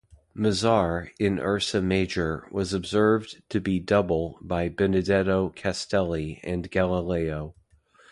Mizar, in Ursa Major, was observed to be double by Benedetto Castelli and Galileo.